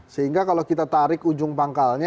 sehingga kalau kita tarik ujung pangkalnya